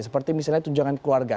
seperti misalnya tunjangan keluarga